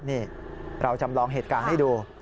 นี่เราจำลองเหตุการณ์ให้ดู